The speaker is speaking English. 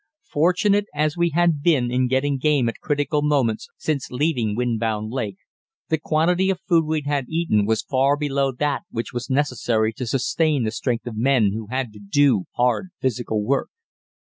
Fortunate as we had been in getting game at critical moments since leaving Windbound Lake, the quantity of food we had eaten was far below that which was necessary to sustain the strength of men who had to do hard physical work.